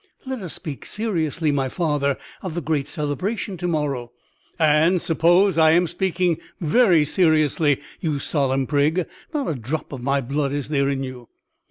"Let us speak seriously, my father, of the great celebration to morrow." "And suppose I am speaking very seriously, you solemn prig; not a drop of my blood is there in you."